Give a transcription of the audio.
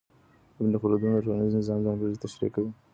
ابن خلدون د ټولنیز نظام ځانګړنې تشریح کوي.